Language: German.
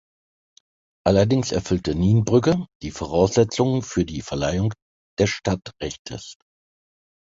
Allerdings erfüllte Nienbrügge die Voraussetzungen für die Verleihung des Stadtrechtes.